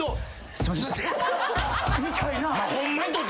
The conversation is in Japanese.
すいません。